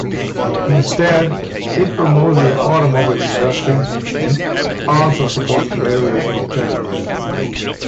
Instead, it promotes the automobile industry, and also supports various charities.